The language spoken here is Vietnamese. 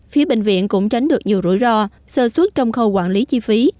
phía bệnh viện cũng tránh được nhiều rủi ro sơ suốt trong khâu quản lý chi phí